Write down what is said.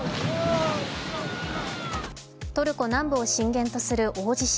トルコ南部を震源とする大地震。